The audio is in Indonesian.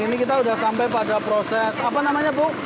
ini kita sudah sampai pada proses apa namanya bu